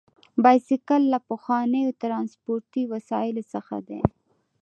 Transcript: بایسکل یو له پخوانیو ترانسپورتي وسایلو څخه دی.